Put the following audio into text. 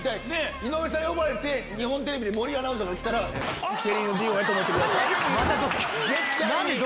井上さん呼ばれて日本テレビで森アナウンサーが来たらセリーヌ・ディオンやと思ってください。